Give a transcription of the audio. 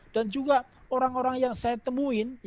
dan juga orang orang yang saya temuin